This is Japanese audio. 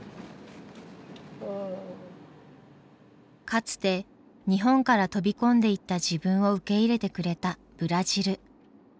かつて日本から飛び込んでいった自分を受け入れてくれたブラジル。